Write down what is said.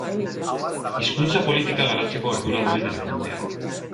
Hizkuntza politika garatzeko ardura duen erakundea.